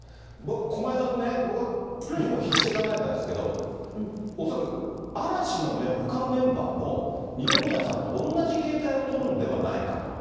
駒井さんね、僕も必死で考えたんですけど、恐らく嵐のほかのメンバーも、二宮さんと同じ形態を取るんではないかと。